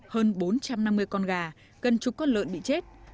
hơn bốn trăm năm mươi con gà gần chục con lợn bị chết